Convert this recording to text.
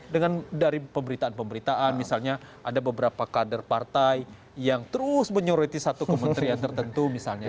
dengan dari pemberitaan pemberitaan misalnya ada beberapa kader partai yang terus menyoroti satu kementerian tertentu misalnya